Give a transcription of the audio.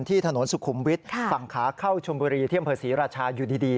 ที่ถนนสุขุมวิทธิ์ฝั่งขาเข้าชมบุรีเที่ยงเผอร์ศรีราชาอยู่ดี